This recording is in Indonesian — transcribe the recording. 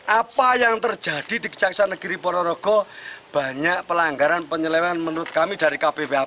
apa yang terjadi di kejaksaan negeri ponorogo banyak pelanggaran penyelewan menurut kami dari kpbhp selaku rakyat